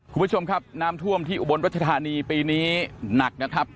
คุณผู้ชมครับน้ำท่วมที่อุบลรัชธานีปีนี้หนักนะครับ